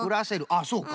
あっそうか。